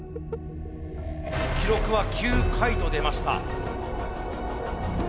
記録は９回と出ました。